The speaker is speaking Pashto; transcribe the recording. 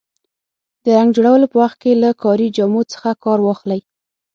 د رنګ جوړولو په وخت کې له کاري جامو څخه کار واخلئ.